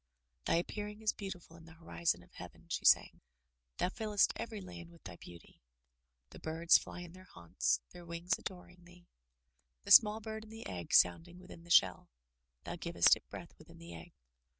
Thy appearing is beautiful in the horizon of heaven,'' she sang; Thou fittest every land with thy beauty. The birds fly in their haunts — Their wings adoring thee. The small bird in the egg, sounding within the shell — Thou givest it breath within the egg.